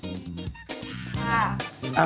จ๊า